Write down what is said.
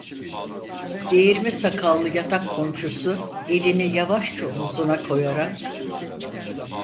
Değirmi sakallı yatak komşusu elini yavaşça omuzuna koyarak: